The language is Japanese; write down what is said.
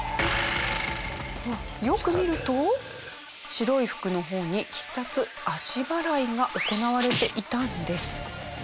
よく見ると白い服の方に必殺足払いが行われていたんです。